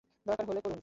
দরকার হলে করুন।